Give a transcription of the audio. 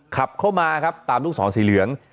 ขับเข้ามาครับตามลูกศรสีเหลือง